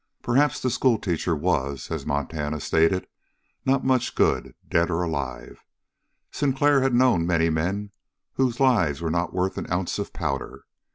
Perhaps the schoolteacher was, as Montana stated, not much good, dead or alive. Sinclair had known many men whose lives were not worth an ounce of powder.